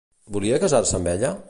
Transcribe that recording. Volia casar-se amb ella?